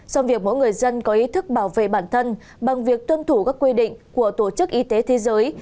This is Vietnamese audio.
song việc mỗi người dân có ý thức bảo vệ bản thân bằng việc tuân thủ các quy định của tổ chức y tế thế giới